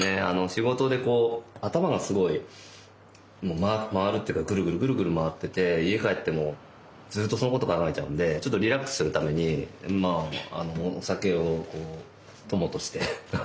仕事で頭がすごい回るっていうかぐるぐるぐるぐる回ってて家帰ってもずっとそのこと考えちゃうんでちょっとリラックスするためにまあお酒を友として。